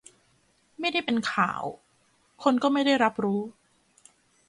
ไม่ได้เป็นข่าว คนก็ไม่ได้รับรู้